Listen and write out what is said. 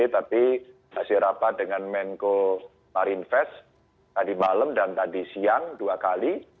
tapi hasil rapat dengan menko marinvest tadi malam dan tadi siang dua kali